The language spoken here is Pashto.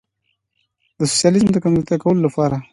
د سوسیالیزم د کمزوري کولو لپاره.